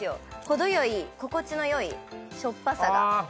程よい心地のよいしょっぱさが。